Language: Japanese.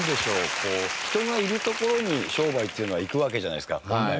こう人がいる所に商売っていうのはいくわけじゃないですか本来は。